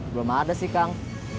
belum ada sih kang